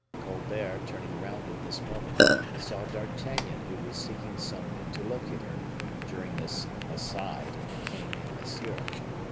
Colbert, turning round at this moment, saw D'Artagnan who was seeking some interlocutor, during this "aside" of the king and Monsieur.